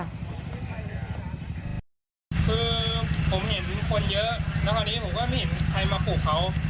คือผมเห็นคนเยอะแล้วคราวนี้ผมก็ไม่เห็นใครมาปลูกเขา